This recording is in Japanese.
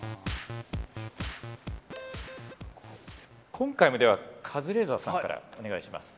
今回もではカズレーザーさんからお願いします。